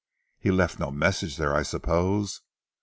"He left no message there, I suppose?"